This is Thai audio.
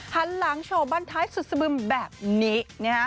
หันหลังโชว์บ้านท้ายสุดสบึมแบบนี้